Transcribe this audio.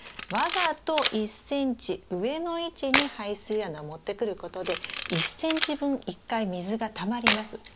わざと１ｃｍ上の位置に排水穴を持ってくることで１ｃｍ分１回水がたまります。